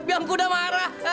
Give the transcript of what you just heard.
biam kuda marah